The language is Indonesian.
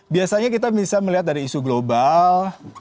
biasanya kita bisa melihat dari isu global